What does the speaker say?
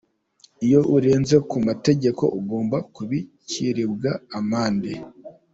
"Iyo urenze ku mategeko, ugomba kubiciribwa amande".